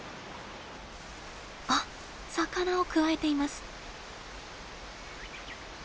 あっ魚をくわえています。